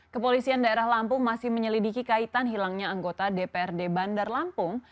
kepolisian daerah lampung masih menyelidiki kaitan hilangnya anggota dprd bandar lampung